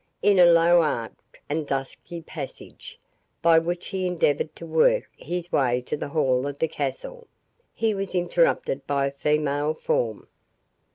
In a low arched and dusky passage, by which he endeavoured to work his way to the hall of the castle, he was interrupted by a female form.